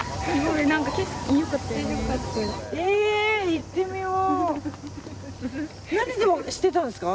行ってみよう。